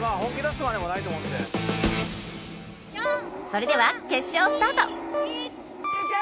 それでは決勝スタート！